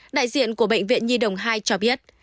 đại diện của bệnh viện nhi đồng hai cho biết